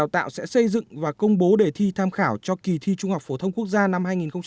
tạo sẽ xây dựng và công bố để thi tham khảo cho kỳ thi trung học phổ thông quốc gia năm hai nghìn hai mươi